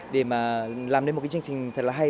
để làm nên một chương trình thật là hay